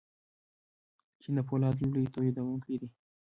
چین د فولادو لوی تولیدونکی دی.